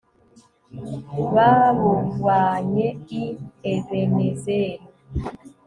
babuvanye i ebenezeri